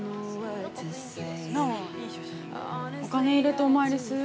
お金入れてお参りする？